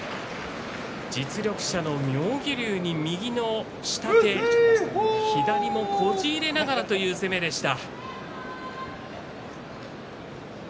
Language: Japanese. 実力者の妙義龍に右の下手左をこじ入れながらという攻めでした。